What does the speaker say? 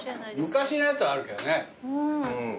昔のやつはあるけどね。